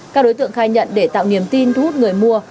các đối tượng khai nhận để tạo niềm tin thu hút người mua